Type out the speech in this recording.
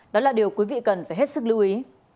đó là điều quý vị cần phải hết sức lưu ý